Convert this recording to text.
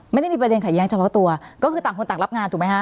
ไม่ได้มีประเด็นขัดแย้งเฉพาะตัวก็คือต่างคนต่างรับงานถูกไหมฮะ